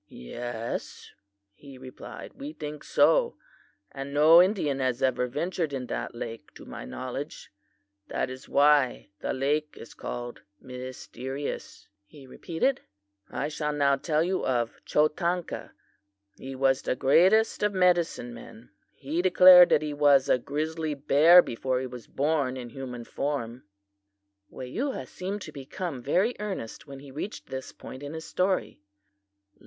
"Yes," he replied, "we think so; and no Indian has ever ventured in that lake to my knowledge. That is why the lake is called Mysterious," he repeated. "I shall now tell you of Chotanka. He was the greatest of medicine men. He declared that he was a grizzly bear before he was born in human form." Weyuha seemed to become very earnest when he reached this point in his story.